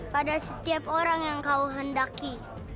pada setiap orang yang kau hendaki